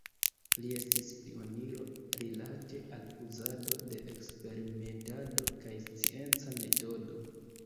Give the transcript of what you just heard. Li estis pioniro rilate al uzado de eksperimentado kaj scienca metodo.